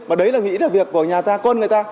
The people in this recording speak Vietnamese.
mà đấy là nghĩa là việc của nhà ta con người ta